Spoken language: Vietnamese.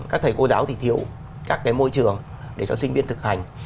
các thầy cô giáo thì thiếu các cái môi trường để cho sinh viên thực hành